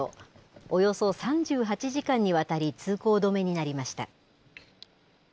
およそ３８時間にわたり、通行止めになりました。